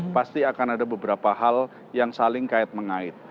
pasti akan ada beberapa hal yang saling kait mengait